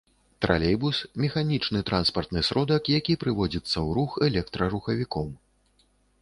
Тралейбус — механічны транспартны сродак, які прыводзіцца ў рух электрарухавіком